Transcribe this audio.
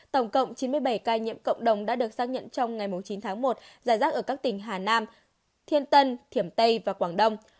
tổng cộng chín mươi bảy ca nhiễm cộng đồng đã được xác nhận trong ngày chín tháng một giải rác ở các tỉnh hà nam thiên tân thiểm tây và quảng đông